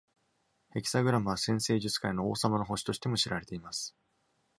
ヘキサグラムは、占星術界の「王様の星」としても知られています。